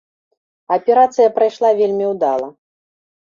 Аперацыя прайшла вельмі ўдала.